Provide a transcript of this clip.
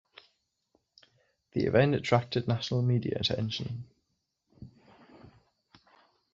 The event attracted national media attention.